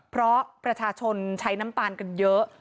เพราะประชาชนใช้น้ำตาลกันเยอะ